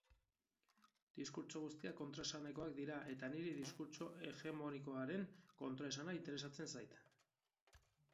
Diskurtso guztiak kontraesanekoak dira eta niri diskurtso hegemonikoaren kontraesana interesatzen zait.